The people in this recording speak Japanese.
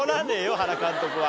原監督は。